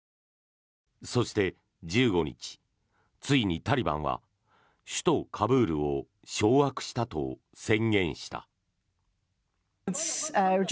そして、１５日ついにタリバンは首都カブールを掌握したと宣言した。